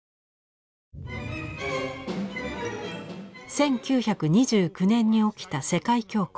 １９２９年に起きた世界恐慌。